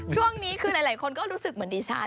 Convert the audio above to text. ช่วงนี้คือหลายคนก็รู้สึกเหมือนดิฉัน